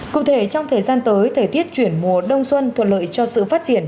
cụ thể trong thời gian tới thời tiết chuyển mùa đông xuân thuận lợi cho sự phát triển